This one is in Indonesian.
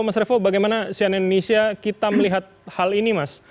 mas revo bagaimana sian indonesia kita melihat hal ini mas